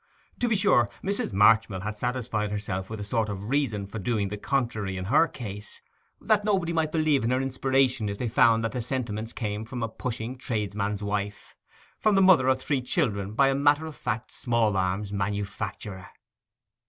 To be sure, Mrs. Marchmill had satisfied herself with a sort of reason for doing the contrary in her case; that nobody might believe in her inspiration if they found that the sentiments came from a pushing tradesman's wife, from the mother of three children by a matter of fact small arms manufacturer.